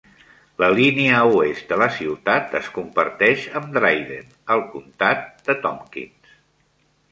La línia oest de la ciutat es comparteix amb Dryden, al comtat de Tompkins.